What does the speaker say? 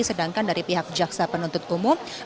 sedangkan dari pihak jaksa penuntut umum